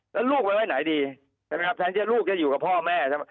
แล้วลูกไปไหนดีแทนที่ลูกจะอยู่กับพ่อแม่